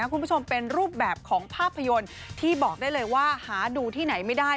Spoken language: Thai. คุณผู้ชมเป็นรูปแบบของภาพยนตร์ที่บอกได้เลยว่าหาดูที่ไหนไม่ได้